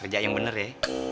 kerja yang bener ya